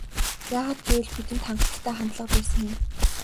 Яагаад гэвэл бидэнд гайхалтай хандлага байсан юм.